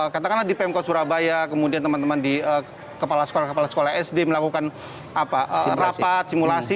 karena di pemko surabaya kemudian teman teman di kepala sekolah kepala sekolah sd melakukan rapat simulasi